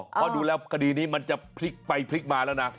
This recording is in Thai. เพราะดูแล้วคดีนี้มันจะพลิกไปพลิกมาแล้วนะ